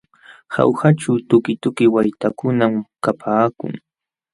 Jaujaćhu tukituki waytakunam kapaakun.